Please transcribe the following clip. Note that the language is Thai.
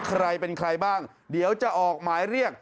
ใครเป็นใครบ้างเดี๋ยวจะออกหมายเรียก